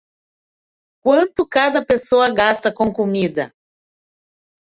Quanto cada pessoa gasta com comida?